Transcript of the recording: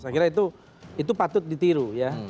saya kira itu patut ditiru ya